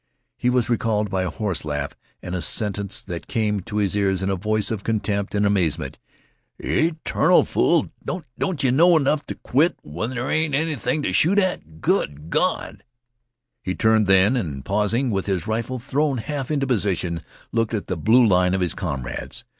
He was recalled by a hoarse laugh and a sentence that came to his ears in a voice of contempt and amazement. "Yeh infernal fool, don't yeh know enough t' quit when there ain't anything t' shoot at? Good Gawd!" He turned then and, pausing with his rifle thrown half into position, looked at the blue line of his comrades.